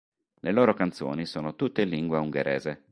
Le loro canzoni sono tutte in lingua ungherese.